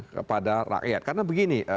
kepada rakyat karena begini